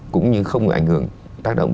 cũng như không có ảnh hưởng tác động